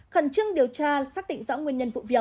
khẩn trương điều tra xác định rõ nguyên nhân vụ việc